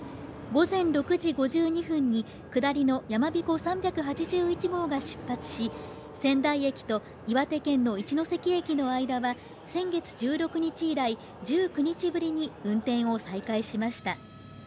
午前６時５２分に下りの「やまびこ３８１号」が出発し、仙台駅と岩手県の一ノ関駅の間は先月１６日以来、１９日ぶりに運転を再開しました。